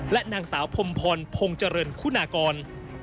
และนางสาวพรมพรพงษ์เจริญคุณากร